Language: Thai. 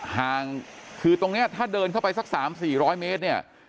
ห่างคือตรงเนี่ยถ้าเดินเข้าไปสัก๓๔๐๐เมตร